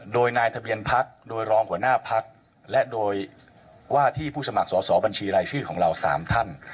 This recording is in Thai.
โดยนายทะเบียนพักโดยรองหัวหน้าพักและโดยว่าที่ผู้สมัครสอบบัญชีรายชื่อของเรา๓ท่าน